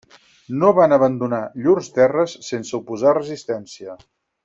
No van abandonar llurs terres sense oposar resistència.